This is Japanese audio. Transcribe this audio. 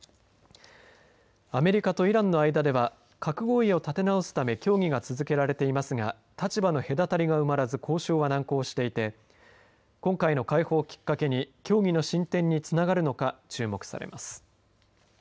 アメリカとイランの間では核合意を立て直すため協議が続けられていますが立場の隔たりが埋まらず交渉は難航していて今回の解放をきっかけに協議の進展につながるのか注目されます。